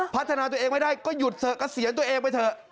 พัฒนาตัวเองไม่ได้ก็หยุดเถอะเกษียณตัวเองไปเถอะ